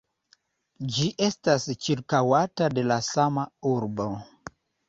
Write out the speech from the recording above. Ĝi estas ĉirkaŭata de la sama urbo.